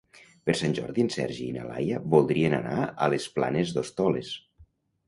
Per Sant Jordi en Sergi i na Laia voldrien anar a les Planes d'Hostoles.